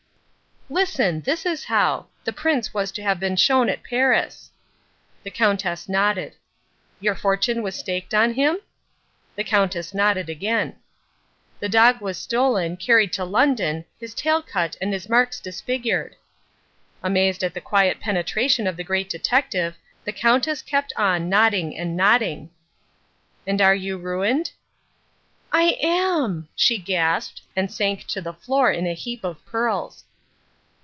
"Listen. This is how. The Prince was to have been shown at Paris." The Countess nodded. "Your fortune was staked on him?" The Countess nodded again. "The dog was stolen, carried to London, his tail cut and his marks disfigured." Amazed at the quiet penetration of the Great Detective, the Countess kept on nodding and nodding. "And you are ruined?" "I am," she gasped, and sank to the floor in a heap of pearls.